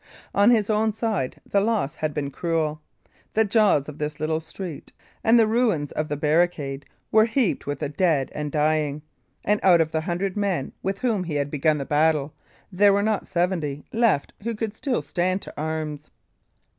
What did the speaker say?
On his own side the loss had been cruel. The jaws of the little street and the ruins of the barricade were heaped with the dead and dying; and out of the hundred men with whom he had begun the battle, there were not seventy left who could still stand to arms.